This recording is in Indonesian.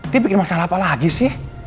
dia bikin masalah apa lagi sih